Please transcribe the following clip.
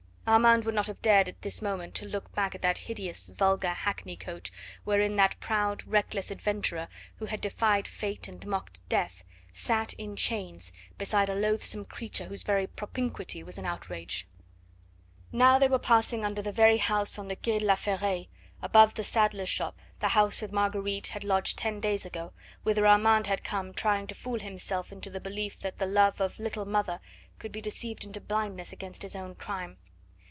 Armand would not have dared at this moment to look back at that hideous, vulgar hackney coach wherein that proud, reckless adventurer, who had defied Fate and mocked Death, sat, in chains, beside a loathsome creature whose very propinquity was an outrage. Now they were passing under the very house on the Quai de La Ferraille, above the saddler's shop, the house where Marguerite had lodged ten days ago, whither Armand had come, trying to fool himself into the belief that the love of "little mother" could be deceived into blindness against his own crime.